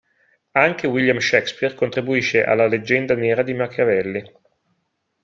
Anche William Shakespeare contribuisce alla leggenda nera di Machiavelli.